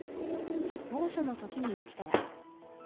猛暑のときに起きたら。